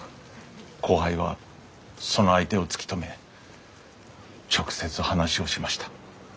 後輩はその相手を突き止め直接話をしました。